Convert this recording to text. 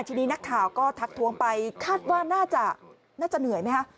ทีนี้นักข่าวก็ทักทวงไปคาดว่าน่าจะเหนื่อยไหมคะ